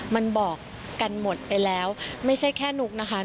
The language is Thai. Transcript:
มันบอกกันหมดไปแล้วไม่ใช่แค่นุ๊กนะคะ